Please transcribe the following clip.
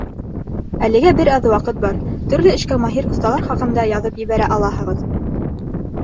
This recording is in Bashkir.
Әлегә бер аҙ ваҡыт бар, төрлө эшкә маһир оҫталар хаҡында яҙып ебәрә алаһығыҙ.